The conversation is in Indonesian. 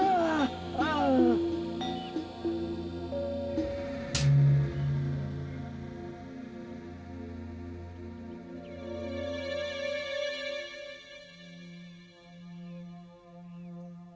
di lapangan di atas suku ruwayat